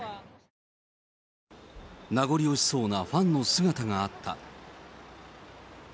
名残惜しそうなファンの姿があった。